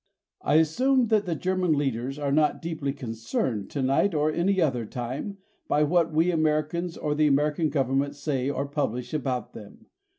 I assume that the German leaders are not deeply concerned, tonight or any other time, by what we Americans or the American government say or publish about them.